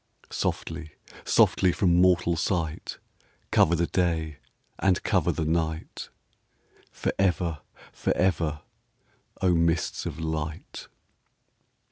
Softly, softly from mortal sight Cover the day and cover the night Forever, forever, O mists of light